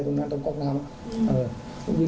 ตรงนั้นตรงก๊อกน้ำ